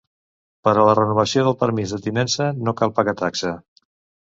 Per a la renovació del permís de tinença no cal pagar taxa.